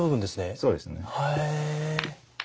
そうですね。